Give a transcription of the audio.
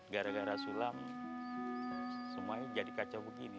gara gara sulam semuanya jadi kacau begini nih